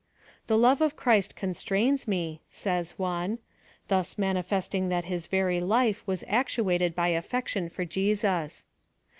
" The love of Christ constrains me ;" says one : thus manifesting that his very life was actuated by affection for Jesus.